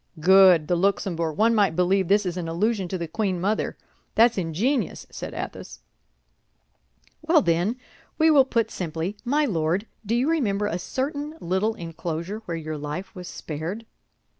_" "Good, the Luxembourg! One might believe this is an allusion to the queen mother! That's ingenious," said Athos. "Well, then, we will put simply, _My Lord, do you remember a certain little enclosure where your life was spared?